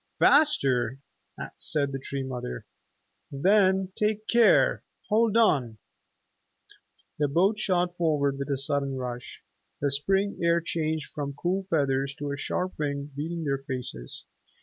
"Faster?" said the Tree Mother. "Then take care! Hold on!" The boat shot forward with a sudden rush. The spring air changed from cool feathers to a sharp wing beating their faces.